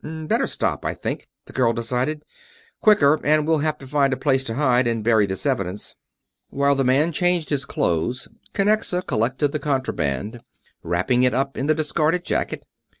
"Better stop, I think," the girl decided. "Quicker, and we'll have to find a place to hide or bury this evidence." While the man changed clothes, Kinnexa collected the contraband, wrapping it up in the discarded jacket.